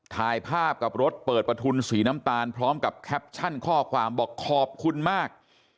ถ่ายภาพกับรถเปิดประทุนสีน้ำตาลพร้อมกับแคปชั่นข้อความบอกขอบคุณมาก